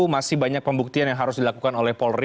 masih banyak pembuktian yang harus dilakukan oleh polri